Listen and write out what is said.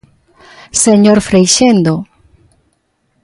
¡Señor Freixendo!